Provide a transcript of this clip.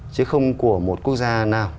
chứ không của một quốc gia nào